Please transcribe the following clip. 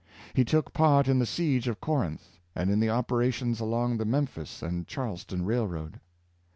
He took part in the siege of Corinth and in the operations along the Mem phis and Charleston Railroad.